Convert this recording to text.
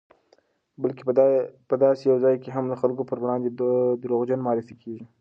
بلکې په داسې یو ځای کې هم د خلکو پر وړاندې دروغجن معرفي کېږي